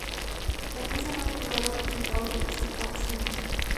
La empresa no ha divulgado los resultados de las excavaciones.